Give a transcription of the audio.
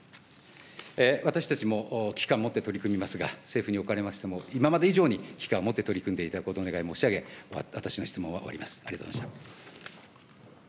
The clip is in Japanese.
私たちも危機感を持って取り組みますが、政府におかれましても、今まで以上に危機感を持って取り組んでいただくことを、お願い申し上げ、私の質問は終わります。